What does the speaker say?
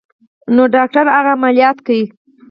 نو ډاکتر هغه عمليات کا.